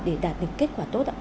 để đạt được kết quả tốt ạ